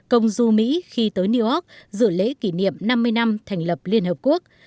công du mỹ khi tới new york dự lễ kỷ niệm năm mươi năm thành lập liên hợp quốc